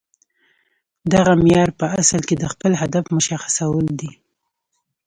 دغه معیار په اصل کې د خپل هدف مشخصول دي